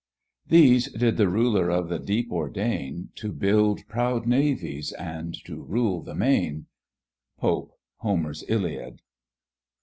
These did the ruler of the deep ordain, To build proud navies and to rule the main. POPE, Homer's Iliad.